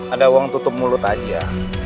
ada uang tutup mulut aja